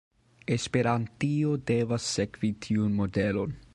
Esperantio devas sekvi tiun modelon.